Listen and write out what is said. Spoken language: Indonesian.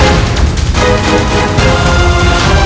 ualah lagi aku melewati orang awam